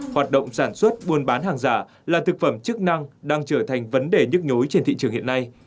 hoạt động sản xuất buôn bán hàng giả là thực phẩm chức năng đang trở thành vấn đề nhức nhối trên thị trường hiện nay